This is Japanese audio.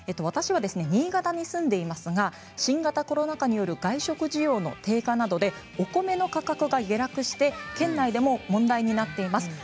私は新潟に住んでいますが新型コロナ禍による外食需要の低下などでお米の価格が下落して県内でも問題になっています。